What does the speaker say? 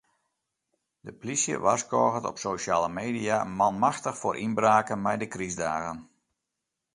De plysje warskôget op sosjale media manmachtich foar ynbraken mei de krystdagen.